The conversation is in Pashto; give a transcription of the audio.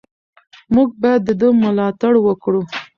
موږ باید د ده ملاتړ وکړو.